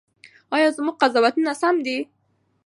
ایا زموږ قضاوتونه سم دي؟